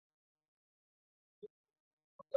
এগুলো তেমন সেক্সি না, তাই না?